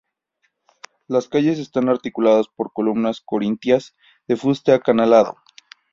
Las calles están articuladas por columnas corintias de fuste acanalado.